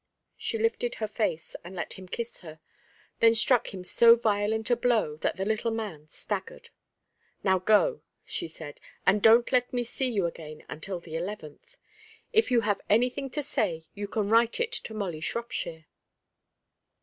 She lifted her face, and let him kiss her, then struck him so violent a blow that the little man staggered. "Now go," she said, "and don't let me see you again until the eleventh. If you have anything to say, you can write it to Molly Shropshire."